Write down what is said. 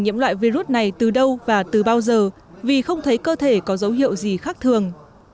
nhiễm loại virus này từ đâu và từ bao giờ vì không thấy cơ thể có dấu hiệu gì khác thường